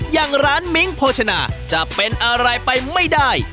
อย่างร้านมิ้งโภชนาจะเป็นอะไรไปไม่ได้